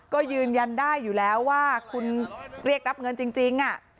ก็ยืนยันได้อยู่แล้วว่าคุณเรียกรับเงินจริง